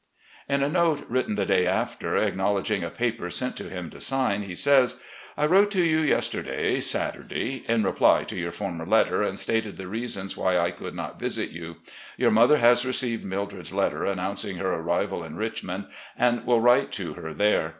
In a note, written the day after, acknowledging a paper sent to him to sign, he says: "... I wrote to you yesterday, Saturday, in reply to your former letter, and stated the reasons why I could not visit you. Your mother has received Mildred's letter annoomcing her arrival in Richmond and will write to her there.